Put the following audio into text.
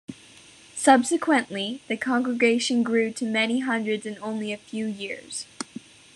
Subsequently, the congregation grew to many hundreds in only a few years.